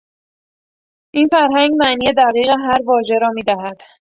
این فرهنگ معنی دقیق هر واژه را میدهد.